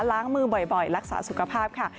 ล้างมือบ่อยรักษาสุขภาพค่ะ